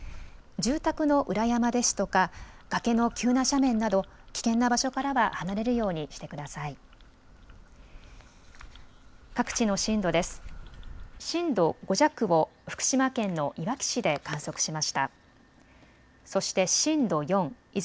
住宅の裏山ですとか崖の急な斜面など危険な場所からは離れるようにしてください。